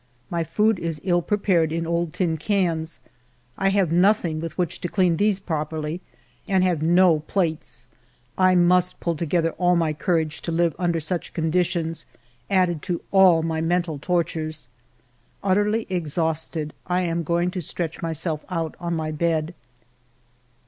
My food is ill prepared in old tin cans. I have nothing with which to clean these properly, and have no plates. I must pull together all my courage to live under such conditions, added to all my mental tortures. Utterly exhausted, I am going to stretch my self out on my bed.